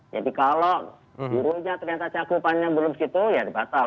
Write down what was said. jadi kalau gurunya ternyata cakupannya belum gitu ya dibatal